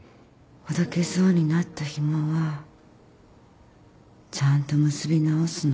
ほどけそうになったひもはちゃんと結び直すの。